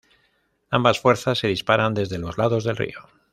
Ambas fuerzas se disparan desde los lados del río.